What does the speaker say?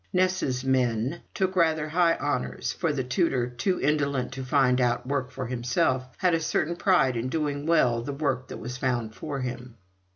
"Ness's men" took rather high honours, for the tutor, too indolent to find out work for himself, had a certain pride in doing well the work that was found for him.